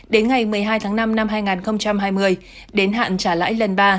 đến ngày một mươi hai tháng năm năm hai nghìn hai mươi đến hạn trả lãi lần ba